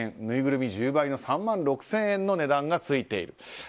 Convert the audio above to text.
ぬいぐるみ１０倍の３万６０００円の値段がついている。